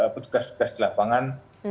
petugas petugas di lapangan